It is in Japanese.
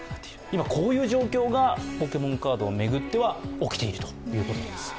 今こういう状況がポケモンカードを巡っては起きているということです。